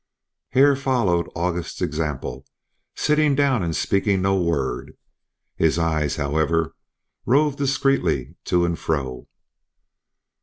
Hare followed August's example, sitting down and speaking no word. His eyes, however, roved discreetly to and fro.